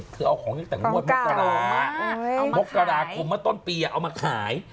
คือเอาของนี้แต่งงวดมกราเอามาขายมกราคมมาต้นปีอ่ะเอามาขาย